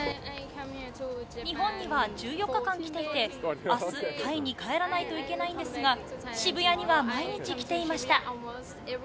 日本には１４日間来ていて、あすタイに帰らないといけないんですが、渋谷には毎日来ていました。